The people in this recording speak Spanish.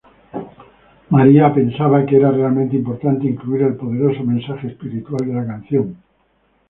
Mariah pensaba que era realmente importante incluir el poderoso mensaje espiritual de la canción.